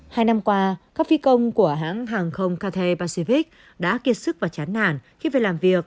hai năm qua các phi công của hãng hàng không kate pacivic đã kiệt sức và chán nản khi về làm việc